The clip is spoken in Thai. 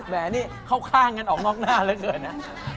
แหมนี่เข้าข้างกันออกนอกหน้าเหลือเกินนะ